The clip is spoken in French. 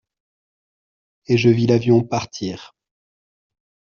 Et je vis l’avion partir.